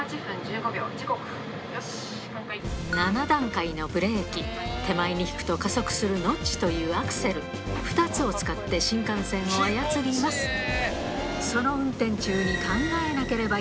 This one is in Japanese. ７段階のブレーキ手前に引くと加速するノッチというアクセル２つを使って新幹線を操ります